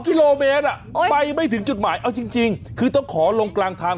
กิโลเมตรไปไม่ถึงจุดหมายเอาจริงคือต้องขอลงกลางทาง